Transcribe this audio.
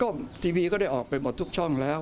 ทีวีก็ได้ออกไปหมดทุกช่องแล้ว